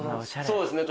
そうですね